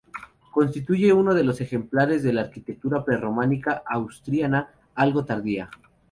Constituye uno de los ejemplares de la arquitectura prerrománica asturiana algo tardía.